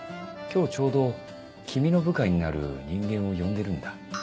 今日ちょうど君の部下になる人間を呼んでるんだ。